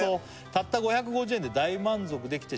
「たった５５０円で大満足できてしまう」